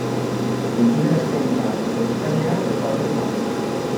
Kultura eskaintza eta eskaria ez datoz bat.